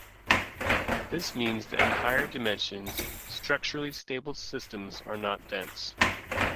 This means that in higher dimensions, structurally stable systems are not dense.